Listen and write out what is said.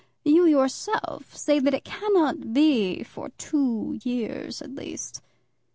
You, yourself, say that it cannot be for two years at least."